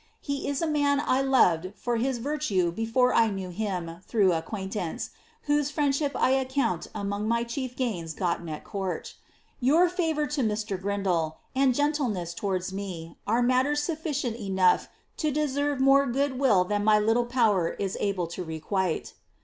He is a man I loved for his virtue before I knew him through acquaintance, whose friendship I account among my chief gains gotten at court. Your favour to Mr. Grindall, and gentleness towards me, are matters sufficient enough to deserve more good will than my little power is able to requite.